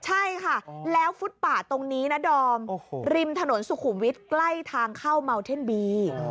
ใช่ค่ะแล้วฟุตป่าตรงนี้นะดอมริมถนนสุขุมวิทย์ใกล้ทางเข้าเมาเท่นบี